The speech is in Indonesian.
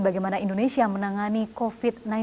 bagaimana indonesia menangani covid sembilan belas